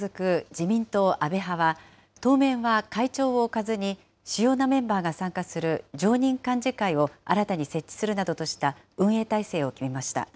自民党安倍派は、当面は会長を置かずに、主要なメンバーが参加する常任幹事会を新たに設置するなどとした運営体制を決めました。